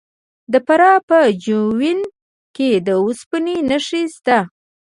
د فراه په جوین کې د وسپنې نښې شته.